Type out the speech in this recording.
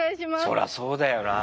そりゃそうだよなぁ。